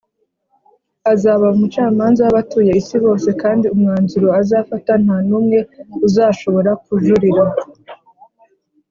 azaba umucamanza w’abatuye isi bose, kandi umwanzuro azafata nta n’umwe uzashobora kujurira